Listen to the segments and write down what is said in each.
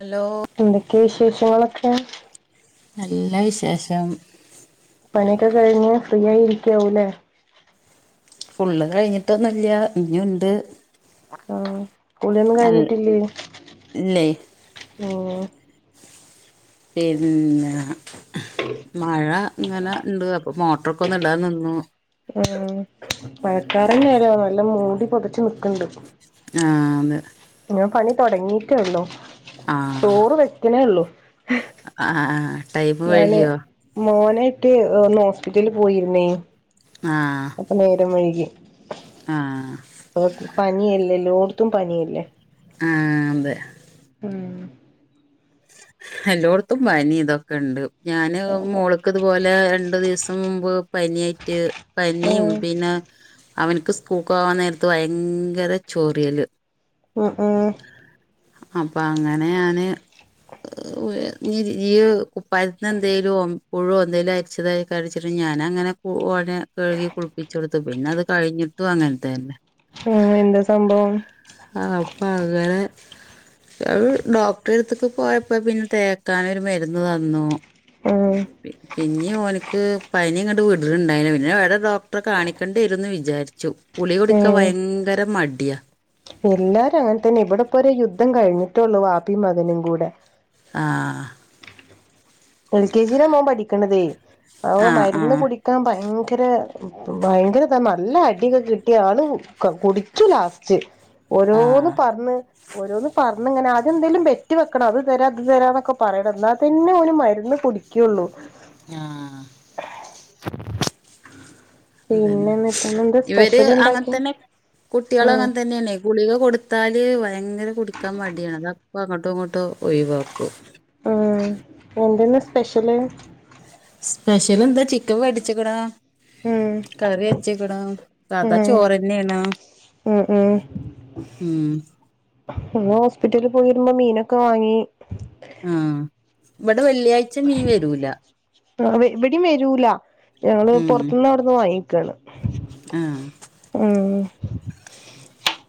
Hello എന്തൊക്കെ വിശേഷങ്ങളൊക്കെ? നല്ല വിശേഷം. പണിയൊക്കെ കഴിഞ്ഞ് ഫ്രീ ആയി ഇരിക്കാവൂല്ലേ? ഫുള്ള് കഴിഞ്ഞിട്ടൊന്നുല്ല ഇഞ്ഞുണ്ട് മ് കുളിയൊന്നും നല്ല കഴിഞ്ഞിട്ടില്ലേ ഇല്ലേ മ് പിന്നെ മഴ ങ്ങനെ ണ്ട്. അ പ്പൊ മോട്ട്റൊക്കൊന്ന്ടാൻ നിന്നു. ഉമ് മഴക്കാറന്നെലോ നല്ല മൂടി പൊതച്ചു ന്ക്ക്ണ്ട് ആഹ് അതെ ഞാ പണി തുടങ്ങീട്ടേള്ളു ചോറ് വെക്ക്ണേള്ളു. അ ആഹാ ഹാ ഞാന് മോനേറ്റ് ഒന്ന് ഹോസ്പിറ്റൽല് പോയിര്ന്നേ ആഹ് അപ്പം നേരം വയ്കി ആഹ് പ്പൊ പനിയല്ലേ എല്ലോട്ത്തും പനിയല്ലേ ആഹ് അതെ ഉം എല്ലോട്ത്തും പനി തൊക്കെണ്ട്. ഞാന് അതെ മോള്ക്ക് ഇതുപോലെ രണ്ടു ദിവസം മുമ്പ് പനിയായിറ്റ് പനിം ഉം പിന്നെ അവൻക്ക് സ്കൂക്കോവാൻ നേര്ത്ത് ഭയങ്കര ചോറിയല് ഉം ഏഹ് അപ്പ അങ്ങനെ ഞാന് ഞ് ഇയ് കുപ്പായതിന്ന് എന്തേലും പുഴോ എന്തേലും അരിച്ചതായി കട്ച്ട്ട് ഞാനങ്ങനെ ഉ ഓനെ കഴുകി കുളിപ്പിച്ചൊട്ത്ത് പിന്നെ അത് കഴിഞ്ഞിട്ടും അങ്ങൻത്തന്നെ ഏഹ് എന്ത സംഭവം? ആഹ് അപ്പം അങ്ങനെ അത് ഡോക്ടറെടുത്ത് ക്ക് പോയപ്പോ പിന്നെ തേക്കാനൊരു മരുന്ന് തന്നു മ് പിന്നി ഓൻക്ക് പനിയങ്ങണ്ട് വ്ട്ണ് ണ്ടായില പിന്നെ എവ്ടെ ഡോക്ടറെ കാണിക്കേണ്ടി വരുംന്ന് വിചാരി ച്ചു. ഗുളിക കുടിക്കാൻ ഉം ഭയങ്കര മടിയാ. എല്ലാരും അങ്ങൻ തന്നെ ഇവിടെപ്പൊര് യുദ്ധം കഴിഞ്ഞിട്ടൊള്ളൂ വാപ്പിം മകനും കൂടെ ആഹ് എൽ കെ ജി ലാ മോൻ പഠിക്ക്ണതേ. അവൻ ആഹ് മരുന്ന് ആഹ് കുടി ക്കാൻ ഭയങ്കര ഭയങ്കരതാ നല്ല അടിയൊക്കെ കിട്ടി ആള് കുടിച്ചു ലാസ് ച്ച്. ഓരോന്ന് ആഹ് പർണ് ഓരോന്ന് പറഞ്ഞ് ങ്ങനെ. ആദ്യന്തേലും ബെറ്റ് വെക്കണം അത് തരാ ഇത് തരാന്നൊക്കെ പറയണം ന്നാ തന്നെ ഓന് മര് ന്ന് കുടിക്ക്യൊള്ളൂ ആഹാ പിന്നെ അതന്നെ എന്നിട്ട് എന്താ ഇവര് സ്പെഷ്യൽ ഉണ്ടാക്കി അങ്ങൻതന്നെ കുട്ട്യേള് ഉം അങ്ങൻ തന്നെണെയ് ഗുളിക കൊട്ത്താല് ഭയങ്കര കുടിക്കാം മടിയാണ് അതപ്പങ്ങട്ടുങ്ങട്ടും ഒഴിവാക്കും ആഹ് എന്തെന്ന് സ്പെഷ്യല്? സ്പെഷ്യലെന്താ ചിക്കൻ വേട്ച്ച്ക്ക്ണ് ഉം കറിയെച്ച്ക്ക്ണ് സാതാ ഉം ചോറന്നേണ് ഉം ഉം പിന്നെ ഹോസ്പിറ്റൽല് പോയെരുമ്പം മീനൊക്കെ വാങ്ങി ആഹ് ഇവടെ വെള്ളിയാഴ്ച മീൻ വെരൂല ആഹ് ഇവടിം വെരൂല ഞങ്ങള് പൊർത്ത്ന്ന് അവ്ട്ന്ന് വാങ്ങിക്കാണ് ആഹാ മ്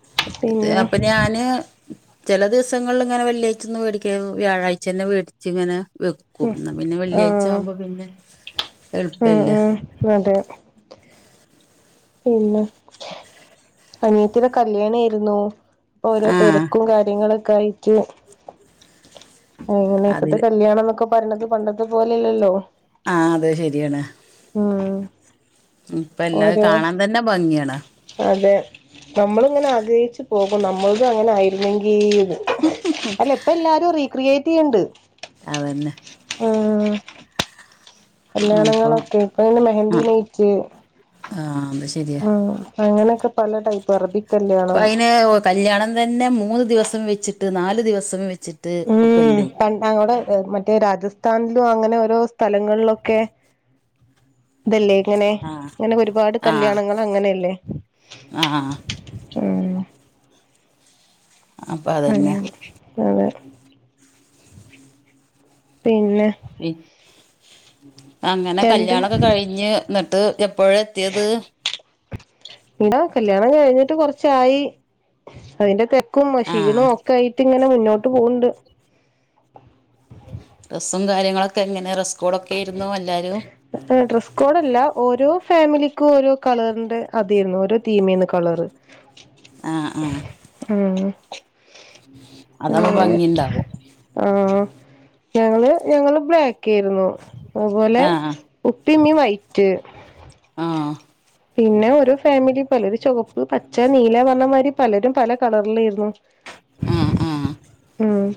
അപ്പൊ ഞാന് ചെല ദിവസങ്ങളില്ങ്ങെനെ വെള്ളിയായ്ചൊന്നും വേടിക്കാതെ വ്യാഴാഴ്ച്ചന്നെ വേടിച്ച്ങ്ങനെ വെക്കും ഉം ന്നാ പിന്നെ ആഹ് വെള്ളിയാഴ്ചാകുമ്പോ പിന്നെ ഉം എൾപ്പല്ലെ ഉം അതെ പിന്നെ. അനിയത്തിടെ കല്ല്യാണേര്ന്നു ഓരോ ആഹ് തെരക്കും കാര്യങ്ങളൊക്കായിട്ട് അയന്നെ ഇപ്പത്തെ അതിന് കല്ല്യാണന്നൊക്കെ പറഞത് പണ്ടത്തെ പോലെല്ലല്ലോ. ആഹ് അതെ ശെരിയാണ്. മ് ഇപ്പെല്ലാ കാണാതന്നെ ഭംഗിയാണ്. അതെ. നമ്മള്ങ്ങനെ ആഗ്രഹിച്ചു പോകും നമ്മൾതും അങ്ങനായിരുന്നെങ്കീന്ന് അല്ല ഇപ്പെല്ലാരും റീക്രിയേറ്റെയ്യ്ണ്ട്. അതന്നെ. ആഹ് ആ, അപ്പൊ കല്ല്യാണങ്ങളൊക്കെ ഇപ്പയിന് മെഹന്ദി നൈറ്റ്. ആഹ് ന്നാ ശെ ആഹ് അങ്ങനെക്കെ പല ടൈപ്പ് അറബിക്. ഇപ്പയിന് ഓ കല്ല്യാണം തന്നെ മൂന്ന് ദിവസം വെച്ചിട്ട് നാല് ദിവസം വെച്ചിട്ട് ഒക്കെണ്ട് ഞങ്ങടെ ഹ് മറ്റെ രാജസ്ഥാൻലും അങ്ങനെ ഓരോ സ്ഥലങ്ങളിലൊക്കെ. തല്ലേ ഇങ്ങനെ, ആ ഇങ്ങനെ ഒരുപാട് കല്യാണങ്ങള് അങ്ങനെല്ലേ? ആഹ്. ആഹ് ഏഹ്. അപ്പൊ അതന്നെ അയന്നെ അതെ. പിന്നെ. അങ്ങനെ രണ്ട് കല്ല്യാണൊക്കെ കഴിഞ്ഞ് ന്ന്ട്ട് എപ്പോഴാ എത്തിയത്. ന്താ കല്ല്യാണം കഴിഞ്ഞിട്ട് കൊറച്ചായി അതിന്റെ തെര ക്കും ആ ക്ഷീണോം ഒക്കായിട്ട്ങ്ങനെ മുന്നോട്ട് പോവ്ണ്ട്. ട്രെസ്സും കാര്യങ്ങളൊക്കെ എങ്ങനെ ട്രെസ്കോടെക്കേര്ന്നു എല്ലാരും. എഹെ ഡ്രസ് കോഡല്ല ഓരോ ഫാമിലിക്കും ഓരോ കളറിന്റെ അതേരുന്നു ഓരോ തീമേന്നു കളറ്. ആഹ്, ആഹ്. അങ്ങനെ അതാവുമ്പോ ഭംഗിണ്ടാവും. ആഹ് ഞങ്ങള് ഞങ്ങള് ബ്ലാക്കേര്ന്നു അഹ്പോലെ. ആ ഉപ്പീമ്മീ വൈറ്റ്. ആ പിന്നെ ഓരോ ഫാമിലി പലര് ചുവപ്പ്, പച്ച, നീല പറഞമാതിരി പലരും. പല കളറിലേര്ന്നു. ആഹ് ആഹ് ആഹ്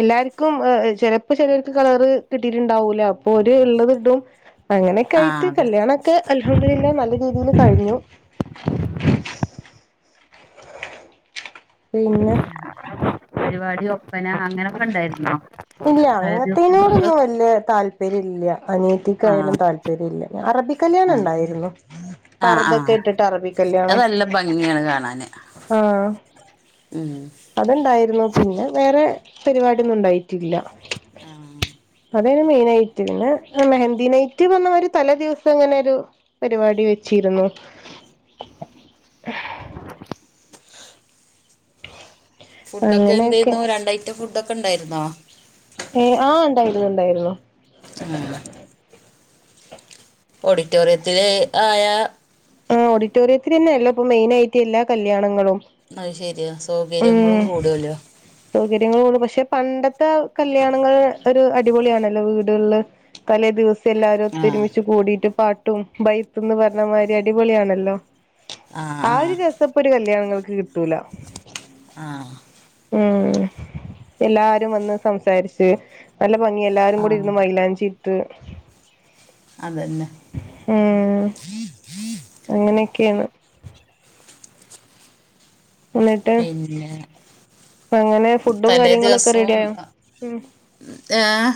എല്ലാര്ക്കും ഏഹ് ചെലപ്പോ ചെലർക്ക് കളറ് കിട്ടീട്ട്ണ്ടാവൂലാ അപ്പൊ ഓര് ഇള്ളത് ഇടും. അങ്ങനെക്കെ ആ ആയിട്ട് അതെ കല്ല്യാണൊക്കെ അൽഹംദുലില്ലാഹ് നല്ല രീതിയിൽ കഴിഞ്ഞു. പിന്നെ പരിപാടി ഒപ്പന അങ്ങനൊക്കെണ്ടായിരുന്നോ. ഇല്ല അങ്ങത്തിനോടൊന്നും വല്ല്യേ താല്പര്യല്ല ആ അനിയത്തിക്കയാലും താല്പര്യല്ല. അറബി ആ കല്ല്യാണം ണ്ടായിരുന്നു ആ ആ പർതൊക്കെ ഇട്ടിട്ട് അറബി അത് കല്ല്യാണം. നല്ല ഭംഗിയാണ് കാണാന്. ആഹ്. ഉമ് അത് ണ്ടായിരുന്നു പിന്നെ വേറെ പരിവാടിയൊന്നും ഉണ്ടായിറ്റില്ല. ആ അതേനു മെയിനൈറ്റ് പിന്നെ മെഹന്ദി നൈറ്റ് പറഞ്ഞെമാരി തലേദിവസം ങ്ങനെരു. പരിവാടി വെച്ചീരുന്നു. ഫുഡൊക്കെ അങ്ങനെയൊക്കെ എന്തേന്നു രണ്ടൈറ്റം ഫുഡൊക്കെണ്ടായിരുന്നോ. ഏഹ് ആഹ് ണ്ടായിരുന്നു, ണ്ടായിരുന്നു. ഉമ് ഓഡിറ്റോറിയത്തിൽ ആയ ആഹ് ഓഡിറ്റോറിയത്തിൽ തന്നെയല്ലോ ഇപ്പോ മെയിൻ ആയിട്ട് എല്ലാ കല്യാണങ്ങളും അഹ് ശരിയാ സൗകര്യങ്ങളും കൂടല സൗകര്യങ്ങളള്ള പക്ഷെ പണ്ടത്തെ കല്യാണങ്ങൾ ഒരു അടിപൊളിയാണല്ലോ വീടുകളില് തലേ ദിവസം എല്ലാവരും ആ ഒത്തൊരുമിച്ച് കൂടിയിട്ട് പാട്ടും ബൈത്തന്ന് പറഞ്ഞതിരി അടിപൊളിയ ആണല്ലോ ആ ഒരു രസപ്പ ഒരു കല്യാണങ്ങൾക്ക് കിട്ടൂല ആഹ് ഉമ് എല്ലാരും വന്ന് സംസാരിച്ച് നല്ല ഭംഗി എല്ലാരും ആ കൂടി ഇരുന്ന് മൈലാഞ്ചി ഇട്ട് അതന്നെ ഏഹ് അങ്ങനെയൊക്കെ യാണ് എന്നിട്ട് പിന്നെ അങ്ങനെ ഫുഡും തലേ കാര്യങ്ങളൊക്കെ റെഡി ദിവസവും ആയോ ഏഹ്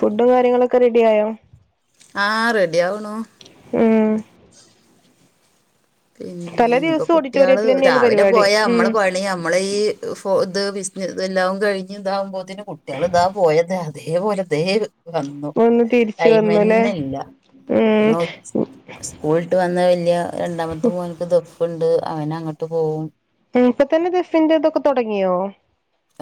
ഫുഡ് കാര്യങ്ങളൊക്കെ റെഡി ആയോ ആഹ് റെഡി ആകുന്നു ഉമ് പിന്നെ തലേ ഇപ്പ ദിവസം കുട്ട്യാള് ഓഡിറ്റോറിയത്തിൽ തന്നെയായിരുന്നു രാവിലെ പരിപാടി പോയാ നമ്മള് ഉം പണി മോളെ ഈ ഫ ഇത് ബിസ ഇതെല്ലാം കഴിഞ്ഞ് ഇതാകുമ്പോത്തന്നെ കുട്ടികൾ ഇതാ പോയത് അതേ പോലെ അതേ വന്നു ഒന്ന് തിരിച്ചു വന്നുല്ലേ ടൈമന്നെ ഇല്ല ഉം സ്കൂളിട്ട് വന്ന വല്യ രണ്ടാമത്തെ മോനക്ക് ദൊഃപ്പുണ്ട് അവന അങ്ങോട്ട് പോകവും [unintelligible] തന്നെ ദഫിന്റെ ഇതൊക്കെ തുടങ്ങിയോ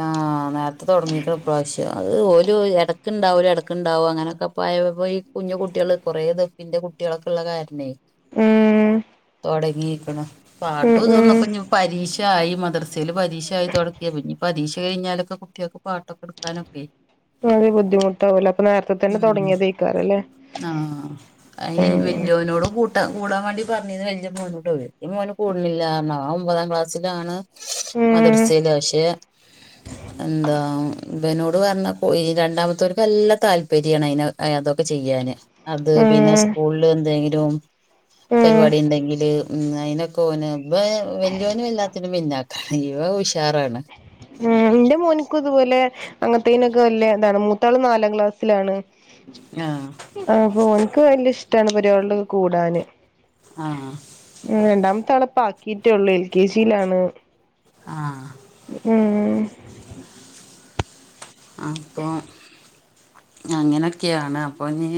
ആഹ് ആഹ് നേരത്തെ തുടങ്ങീക്കന്നു ഈ പ്രാവശ്യം അത് ഒരു ഇടയ് ഉണ്ടാവും ഒരു ഇടക്ക് ഉണ്ടാവും അങ്ങനെയൊക്കെ പോയ പോയി കുഞ്ഞു കുട്ട്യാള് കുറേ ദെഫിന്റെ കുട്ട്യാളൊക്കെ ഉള്ള കാരണേ ഉം തുടങ്ങിക്ക്ണ് ഉം പാട്ടും ഇ ഉം തോന്നപ്പ പരീക്ഷയി മദർ സൽ പരീക്ഷയയി തുടക്കിയ ഇനി പരീക്ഷ കഴഞ്ഞാലൊക്കെ കുട്ട്യാൾക്ക് പാട്ടൊക്കെടുക്കാനൊക്കെ വളരെ ബുദ്ധിമുട്ടാവൂലേ അപ്പ നേരത്തെ തന്നെ ഉം തുടങ്ങിയത്തക്കാര അല്ലേ ആഹ് അയിനി വല്യോനോട് കൂട്ട കൂടാൻ വേണ്ടി പറഞ്ഞത് വല്ല്യ മോനോട്ട വല്ല്യ മോന് കൂടുന്നില്ലാരണം അവൻ ഒമ്പതാം ക്ലാസ്സിലാണ് മദർസൈയിൽ പക്ഷേ ഉ എന്താ ഇവനോട് പറഞ്ഞ രണ്ടാമത്തെർക്ക് നല്ല താല്പര്യണ് അയി അതൊക്കെ ചെയ്യാന് അത് പിന്നെ ഉം ഉം സ്കൂളില് എന്തെങ്കിലും ഉം പരിപാടിണ്ടെങ്കില് ഉും അതിനൊക്കെ ഓന് വെ വല്യോനും എല്ലാത്തിനും പിന്നാക്ക ഇവം ഉഷാറാണ്. ഹേ ന്റെ മോന്ക്കും ഇതുപോലെ അങ്ങത്തിനൊക്കെ വല്ല്യാന്താണ് മൂത്താള്നാലാം ക്ലാസ്സിലാണ്. ആഹാ ആപ ഒന്ക്ക് വലയ ഇഷ്ടാണ് പരിപാട്ളൊക്കെ കൂടാന് ആഹാ രണ്ടാമത്താള് ഇപ്പാക്കിയിറ്റോള്ളൂ. എൽ കെ ജി യിലാണ്. ആഹ് [unintelligible] അപ്പോ അങ്ങനെയൊക്കെയാണ് അപ്പോൾ ഞി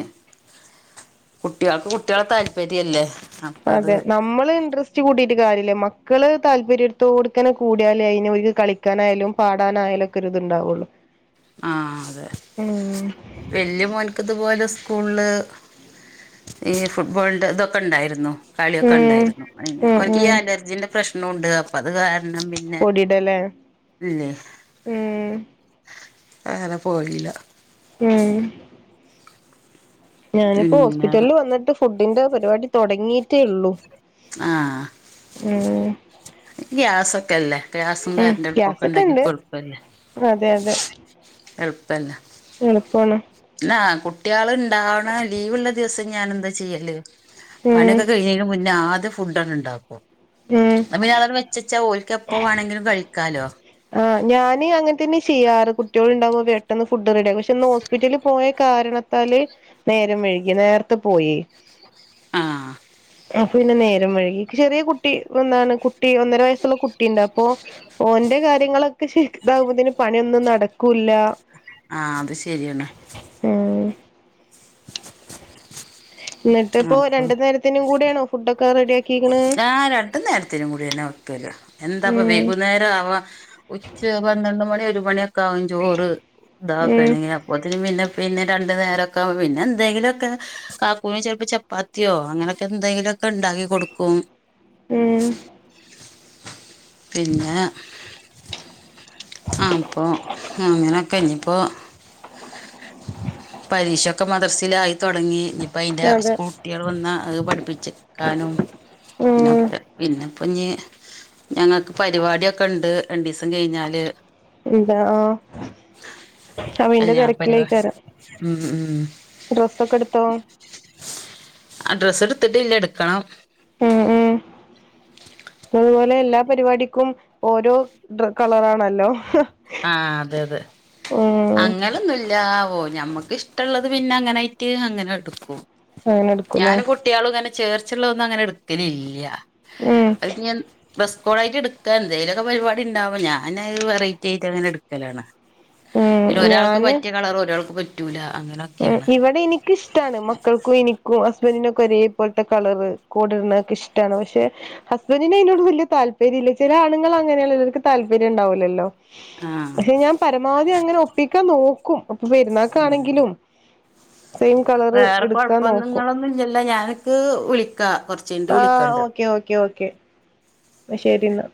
കുട്ടികൾക്ക് കു കുട്ടിയാള താല്പര്യല്ലേ അപ്പ അത് അതെ നമ്മള് ഇന്ത്രസ്റെസ്റ്റ് റ്റ്കൂട്ട് കാര്യല്ല. മക്കള് താല്പര്യ തോട്കനകൂടിയാലേ അയിന് കളിക്കാനായാലും, പാടാനായാലും, ക്കൊരുതുണ്ടാവുള്ളൂ. ആഹ അതെ വല്യമോന്ക് ഇതുപോലെ സ്കൂള്ല്. ഈ ഫുട്ബോളിന്റെ ഇതൊക്കെണ്ടായിരുന്നു. കളിയൊക്കെ ഉം ഉണ്ടായിരുന്നു. പിന്നെ ഉം ഓൻകീ ഈ ഉം അലർജീന്റെ പ്രശ്നൂണ്ട് അപ്പൊ അത് കാരണം പി പൊടിടല്ലേ ഉം. അങ്ങനെ പോയിലില്ല. യെഹ് ഞാനിപ്പോ പിന്നെ ഹോസ്പിറ്റൽന്ന് വന്നിട്ട് ഫുഡിന്റെ പരിപാടി തുടങ്ങിട്ടേ ഉള്ളു. ആഹാ ഏാ ഗ്യാസൊക്കെ അല്ലേ ഗ്യാസും ഉം കരണ്ടടുപ്പും ഗ്യാസൊക്കെ ഒക്കെണ്ടങ്ങി ഉണ്ട് കൊളുപ്പല്ലെ. അതെ എളുപ്പലേ. എളുപ്പണ്. ന്ന കുട്ടിയാള് ഇണ്ടാവ്ണ ലീവ്ള്ള ദിവസം ഞാൻ എന്താ ചെയ്യല്. ഉം പണിയൊക്കെ കയിണൻറമുന്നേ ആദ്യം ഫുഡ് ആണ്ട് ണ്ടാക്കും. [unintelligible] അപോഞാന്ത് വെച്ചെച്ചാ ഓൽക്ക് എപ്പോ വാണെങ്കിലും കഴിക്കാലോ. ആഹാ ഞാന് അങ്ങൻതന്നെ ചെയ്യാറ് കുട്ട്യോള് ഉണ്ടാവുമ്പോ പെട്ടെന്ന് ഫുഡ് റെഡിയാകും പക്ഷെ ന്ന് ഹോസ്പിറ്റല പോയ കാരണത്താല് നേരം വഴികി നേരതെ പോയി. ആഹാ അപ്പൊ പിന്നെ നേരം വഴികി. ചെറിയ കുട്ടി എന്താണ് കുട്ടി ഒന്നര വയസ്സുള്ള കുട്ടിയുണ്ട് അപ്പോ. ഓന്റെ കാര്യങ്ങളൊക്കെ ശരിക്താകുമ്പോതിന് പണിയൊന്നും നടക്കൂല്ല. ആഹാ അത് ശെരിയാണ്. ഉം ന്നിട്ട് ഇപ്പോ അപ്പൊ രണ്ടു നേരത്തിനും കൂടെ ആണോ ഫുഡ് ഒക്കെ റെഡിയ ആ രണ്ട് നേരത്തിനും കൂടിന്നെ വെക്കല് എന്താപ്പ ഉം വൈകുന്നേര ആവാ ഉച്ച പന്ത്രണ്ട് മണി ഒരു മണിയൊക്കെ ആകും ചോറ് ഉം ഇതാക്കണെങ്ങേ പോത്തിന് പിന്നെ പിന്നെ രണ്ടു നേരൊക്കെ പിന്നെന്തെങ്കിലുംക്കെ കാക്കൂന് ചെലപ്പൊ ചപ്പാ പാത്തിയോ അങ്ങനൊക്കെ എന്തെങ്കിലൊക്കെണ്ടാക്കി കൊടുക്കും. എാ പിന്നെ. ആപ്പോ അങ്ങനൊക്കെ ഞ്ഞിപ്പോ. പരീക്ഷൊക്കെ മദ്രസിലായി തൊടങ്ങി ഇ്ഞിയിപ്പോ അയിന്റെ അതെ സ്കൂൾ. കുട്യാള് വന്ന അഹ് പഠിപ്പിച്ക്കാനും ഉം ഇതിനൊക്കെ പിന്നെപ്പൊഞ്ഞ്. ഞങ്ങക്ക് പരിവാടിഒക്കെണ്ട് രണ്ടിസം കഴിഞ്ഞാല്. ണ്ടാ ആഹാ അപയിൻ്റെ തിരക് [unintelligible] ഹും ഹും ഡ്രസ് ഒക്കെ ഇട്ത്തോ. അഡ്രസ്സ് എടുത്ട്ടില്ല ഇട്ക്കണം. ഹേ ഹേ പോലെ എല്ലാ പരിപാടിക്കും ഓരോഡ്രാ കളറാണല്ലോ. ആഹ അതെ അതെ ഉം അങ്ങനോന്നുംല്ല പോയി. ഞമ്മക്ക് ഇഷ്ട്ടള്ളത് പിന്നെ അങ്ങനയിട്ട് അങ്ങനെട്ക്കും അങ്ങനെ എടുക്കൂലേ ഞാന് കു കുട്ട്യാളും ങ്ങനെ ചേർച്ചുള്ളതൊന്നും അങ്ങനെ എട്ക്കലില്ല ഉം അത്ഞ്ഞി. ഡ്രെസ്കോട് ആയിറ്റ് ട്ക്കാഎ ന്തേലൊക്കെപരിപാടിണ്ടാവുപോ ഞാന് അത് വെറൈറ്റി ആയിട്ട് അങ്ങനെ ഇട് ക്കലാണ്. ഉം പിന്നെ ഒരാൾക്ക് പറ്റിയ കളറ് ഒരാൾക്ക് പറ്റൂല. അങ്ങനെ. ഇവടെ നി ക്കിഷ്ട്ടാണ് മക്കൾക്കും എനിക്കും ഹസ്ബൻഡിനൊക്കെ ഒരേ പോലത്തെ കളറ് കോട് ഇടുന്നതൊക്കെ ഇഷ്ട്ടാണ്. പക്ഷെ. ഹസ്ബന്റി ന് അയിനോട് വല്യതാല്പര്യംല്ല ചില ആണുങ്ങള് അങ്ങനെയാണെല്ലോ അവർക്ക് താല്പര്യം ഉണ്ടാവൂല്ലല്ലോ. ആഹാ ഞാൻ പരമാവതി അങ്ങനെ ഒപ്പിക്കാൻ നോക്കും. അപ്പൊ പെര്ന്നാക്കാണെങ്കിലും. സെയിം കളർ വേറെ കൊഴപ്പൊന്നുംങ്ങളൊന്നും ഇല്ലലോ ഞാന്ക്ക് വിളിക്കാം. കുറ ആഹ് ഓക്കേ ഓക്കെ ഓക്കെ ന്നശെരിന്നാ